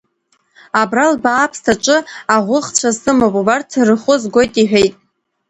Абра лбаа аԥсҭаҿы аӷәыхцәа сымоуп, убарҭ рхәы згоит иҳәеит.